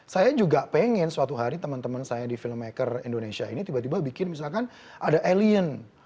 saya juga pengen suatu hari teman teman saya di filmmaker indonesia ini tiba tiba bikin misalkan ada alien